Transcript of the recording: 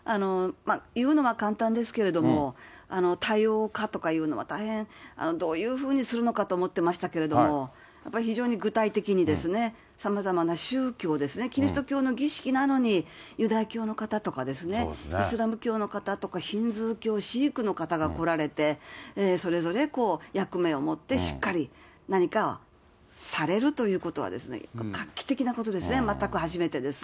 言うのは簡単ですけれども、多様化とかいうのは、大変、どういうふうにするかと思ってましたけれども、やっぱり非常に具体的にさまざまな宗教ですね、キリスト教の儀式なのに、ユダヤ教の方とかイスラム教の方とかヒンズー教、シークの方が来られて、それぞれ役目を持ってしっかり何かされるということはですね、画期的なことですね、全く初めてです。